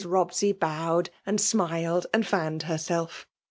Bobsey bowed and smiled, and fauMd henelf.